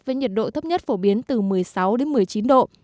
với nhiệt độ thấp nhất phổ biến từ một mươi sáu đến một mươi chín độ